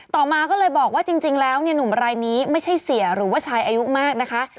ต่อมาก็เลยบอกว่าจริงแล้วเนี่ยหนุ่มรายนี้ไม่ใช่เสียหรือว่าชายอายุมากนะคะ